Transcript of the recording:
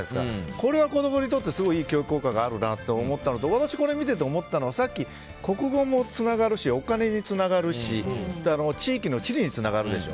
これは子供にとってすごいいい教育効果があるなと思ったのと私これ見てて思ったのは国語もつながるしお金につながるしそれと地域の地理につながるでしょ。